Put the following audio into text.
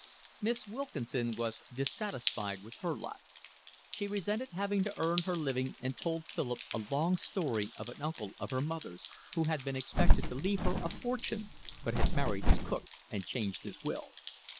Miss Wilkinson was dissatisfied with her lot. She resented having to earn her living and told Philip a long story of an uncle of her mother's, who had been expected to leave her a fortune but had married his cook and changed his will.